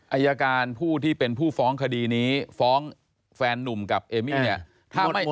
อายการผู้ที่เป็นผู้ฟ้องคดีนี้ฟ้องแฟนนุ่มกับเอมี่เนี่ย